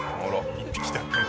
１匹だけ。